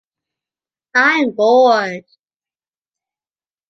I’m bored.